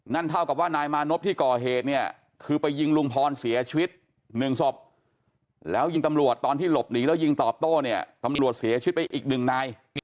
เท่ากับว่านายมานพที่ก่อเหตุเนี่ยคือไปยิงลุงพรเสียชีวิตหนึ่งศพแล้วยิงตำรวจตอนที่หลบหนีแล้วยิงตอบโต้เนี่ยตำรวจเสียชีวิตไปอีกหนึ่งนาย